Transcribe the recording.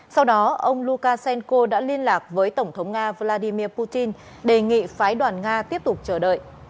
sau đó ông lukashenko đã liên lạc với tổng thống nga vladimir putin đề nghị phái đoàn nga tiếp tục chờ đợi